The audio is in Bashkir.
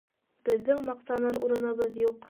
Беҙҙең маҡтаныр урыныбыҙ юҡ.